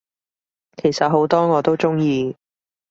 其實好多我都鍾意